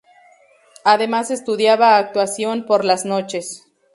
Además estudiaba actuación por las noches.